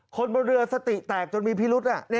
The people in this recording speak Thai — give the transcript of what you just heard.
คนบริเวณเรือสติแตกจนมีพิรุษน่ะ